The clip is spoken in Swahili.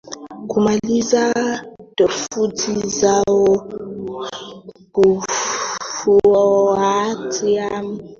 kumaliza tofauti zao kufuatia mzozo uliotishia kusambaratisha serikali